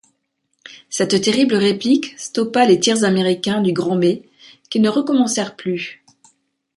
Cette terrible réplique stoppa les tirs américains du Grand Bé, qui ne recommencèrent plus.